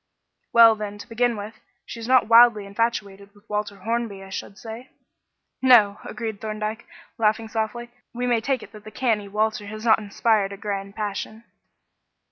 "Well, then, to begin with, she is not wildly infatuated with Walter Hornby, I should say." "No," agreed Thorndyke, laughing softly; "we may take it that the canny Walter has not inspired a grand passion."